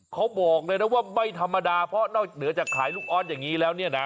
เขาบอกเลยนะว่าไม่ธรรมดาเพราะนอกเหนือจากขายลูกออสอย่างนี้แล้วเนี่ยนะ